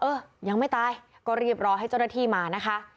เออยังไม่ตายก็รีบรอให้เจ้าหน้าที่มานะคะ